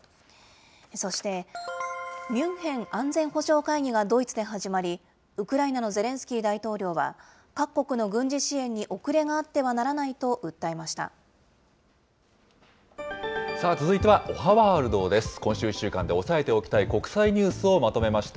そして、ミュンヘン安全保障会議がドイツで始まり、ウクライナのゼレンスキー大統領は、各国の軍事支援に遅れがあってはならないと訴えました。